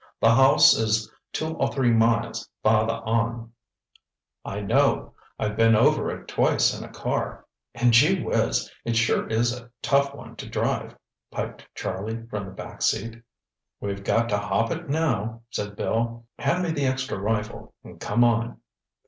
"The house is two or three miles farther on." "I know! I've been over it twice in a car—and gee whiz!—it sure is a tough one to drive," piped Charlie from the back seat. "We've got to hop it now," said Bill. "Hand me the extra rifle, and come on."